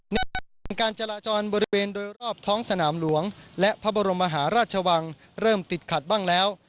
เนื่องจากบริเวณการจราจรบริเวณโดยรอบท้องสนามหลวงและพระบรมมหาราชวังเริ่มติดขัดบ้างแล้ว